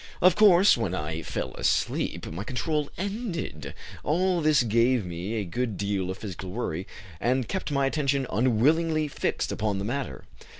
Of course, when I fell asleep, my control ended. All this gave me a good deal of physical worry, and kept my attention unwillingly fixed upon the matter.